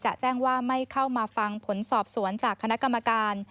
แจ้งว่าไม่เข้ามาฟังผลสอบสวนจากคณะกรรมการ